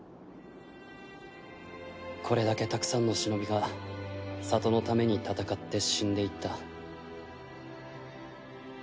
これだけたくさんの忍が里のために戦って死んでいった。